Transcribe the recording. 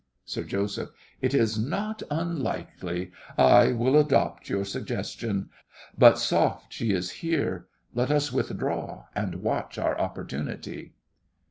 SIR JOSEPH. It is not unlikely. I will adopt your suggestion. But soft, she is here. Let us withdraw, and watch our opportunity.